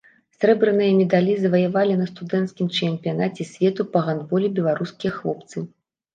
Срэбраныя медалі заваявалі на студэнцкім чэмпіянаце свету па гандболе беларускія хлопцы.